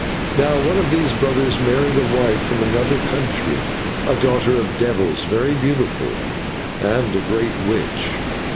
Now one of these brothers married a wife from another country a daughter of devils, very beautiful and a great witch.